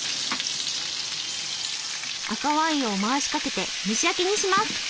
赤ワインを回しかけて蒸し焼きにします。